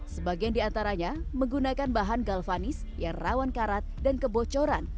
sebagian diantaranya menggunakan bahan galvanis yang rawan karat dan kebocoran